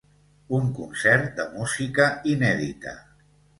Un concert de música inèdita.